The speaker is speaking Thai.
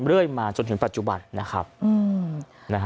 เรื่อยมาจนถึงปัจจุบันนะครับ